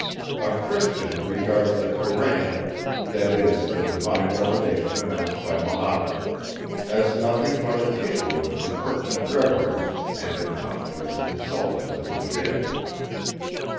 A Christian regards the Koran, that is, the divine revelation announced by Mahomet, as nothing but a tissue of impertinent reveries, and impostures insulting to the divinity.